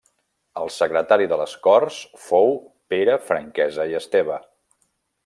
El secretari de les corts fou Pere Franquesa i Esteve.